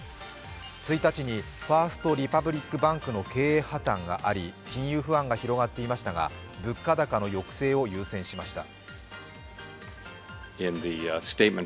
１日にファースト・リパブリック・バンクの経営破綻があり金融不安が広がっていましたが物価高の抑制を優先しました。